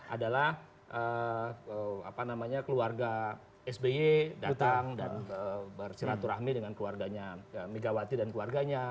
adalah keluarga sby datang dan bersilaturahmi dengan keluarganya megawati dan keluarganya